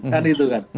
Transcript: kan itu kan